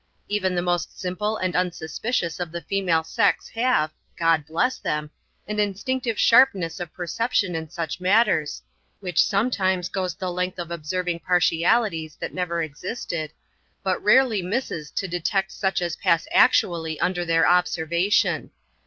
Even the most simple and unsuspicious of the female sex have (God bless them!) an instinctive sharpness of perception in such matters, which sometimes goes the length of observing partialities that never existed, but rarely misses to detect such as pass actually under their observation.